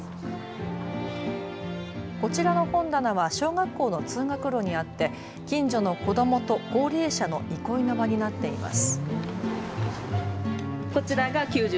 こちらの本棚は小学校の通学路にあって近所の子どもと高齢者の憩いの場になっています。